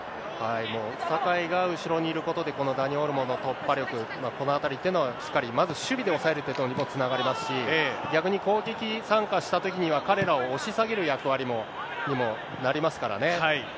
もう酒井が後ろにいることで、このダニ・オルモの突破力、このあたりっていうのは、しっかりまず守備で抑えることが攻撃につながりますし、逆に攻撃参加したときには、彼らを押し下げる役割にもなりま